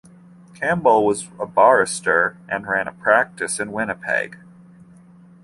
Campbell was a barrister, and ran a practice in Winnipeg.